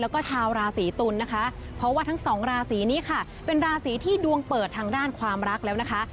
แล้วก็ชาวราศีตุลนะคะเพราะว่าทั้งสองราศีนี้ค่ะเป็นราศีที่ดวงเปิดทางด้านความรักแล้วนะคะ